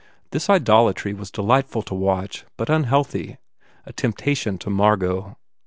This idolatry was delight ful to watch but unhealthy, a temptation to Margot.